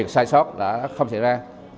sai sót đã không xảy ra